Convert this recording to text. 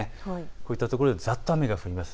こういったところでざっと雨が降ります。